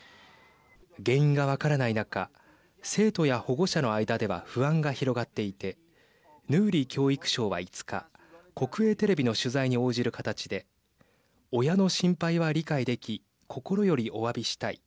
原因が分からない中生徒や保護者の間では不安が広がっていてヌーリ教育相は５日国営テレビの取材に応じる形で親の心配は理解でき心よりおわびしたい。